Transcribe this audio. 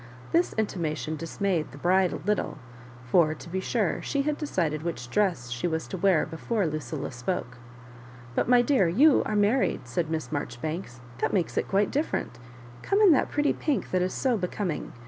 This intimation dismayed the bride a little ; for, to be sure, she had decided which dress she was to wear before Lucilla spoko. "But, my dear, you are married," said Miss Marjoribanks ;" that makes it quite different ; come' in that pretty pink that is so becoming.